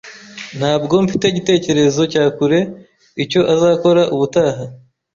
Ntabwo mfite igitekerezo cya kure icyo azakora ubutaha